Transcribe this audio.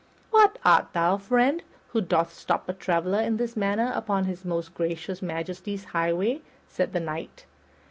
"What art thou, friend, who dost stop a traveler in this manner upon his most gracious Majesty's highway?" said the Knight.